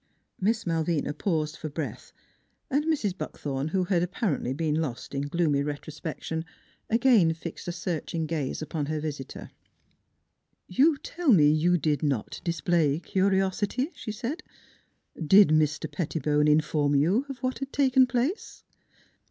Miss Malvina paused for breath, and Mrs. Buckthorn, who had apparently been lost in NEIGHBORS 21 gloomy retrospection, again fixed a searching gaze upon her visitor. 1 You tell me you did not dis play curiosity," she said. " Did Mis ter Pettibone in form you of what had taken place?